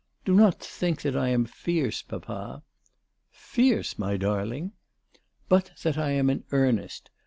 " Do not think that I am fierce, papa." " Fierce, my darling !"" But that I am in earnest.